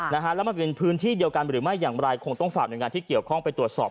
แล้วมันเป็นพื้นที่เดียวกันหรือไม่อย่างไรคงต้องฝากหน่วยงานที่เกี่ยวข้องไปตรวจสอบ